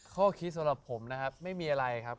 ข้อคิดสำหรับผมนะครับไม่มีอะไรครับ